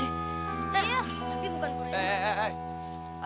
iya tapi bukan pereman